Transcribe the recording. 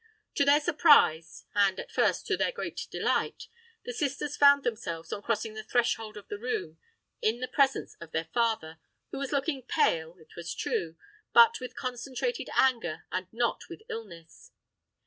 To their surprise—and, at first, to their great delight—the sisters found themselves, on crossing the threshold of the room, in the presence of their father, who was looking pale, it was true—but with concentrated anger, and not with illness.